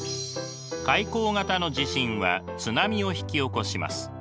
海溝型の地震は津波を引き起こします。